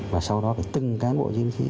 và sau đó phải tưng cán bộ chính trị